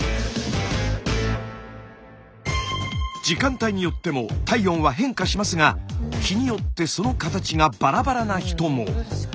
時間帯によっても体温は変化しますが日によってその形がバラバラな人も。